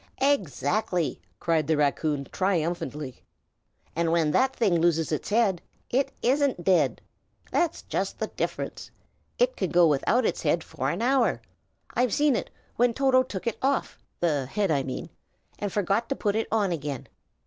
"Exactly!" cried the raccoon, triumphantly. "And when that thing loses its head, it isn't dead. That's just the difference. It can go without its head for an hour! I've seen it, when Toto took it off the head, I mean and forgot to put it on again.